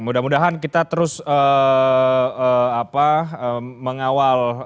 mudah mudahan kita terus mengawal